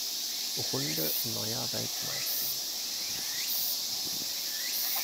Runde neuer Weltmeister.